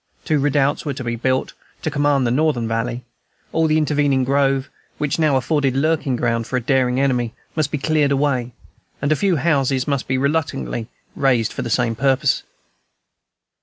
Two redoubts were to be built to command the Northern Valley; all the intervening grove, which now afforded lurking ground for a daring enemy, must be cleared away; and a few houses must be reluctantly razed for the same purpose.